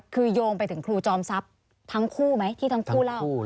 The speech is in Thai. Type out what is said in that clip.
คือโยงไปถึงครูจอมทรัพย์ทั้งคู่ไหมที่ทั้งคู่เล่า